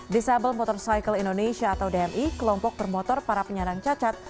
disable motorcycle indonesia atau dmi kelompok bermotor para penyelenggaraan cacat